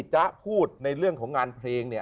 จ๊ะพูดในเรื่องของงานเพลงเนี่ย